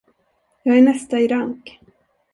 Jag är nästa i rank.